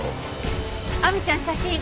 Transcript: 亜美ちゃん写真。